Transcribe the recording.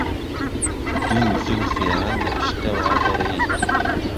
دوو زولفيان له پشتهوه بڕی